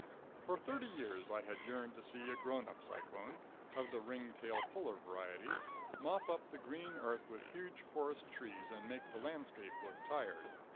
For thirty years I had yearned to see a grown up cyclone, of the ring tail puller variety, mop up the green earth with huge forest trees and make the landscape look tired.